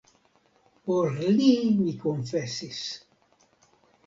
Por li mi konfesis.